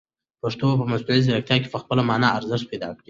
پښتو به په مصنوعي ځیرکتیا کې خپله مانا او ارزښت پیدا کړي.